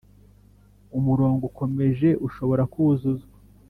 umurongo ukomeje ushobora kuzuzwa